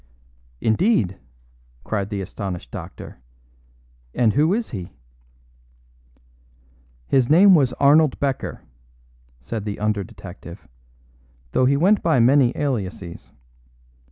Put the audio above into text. "Indeed!" cried the astonished doctor, "and who is he?" "His name was Arnold Becker," said the under detective, "though he went by many aliases.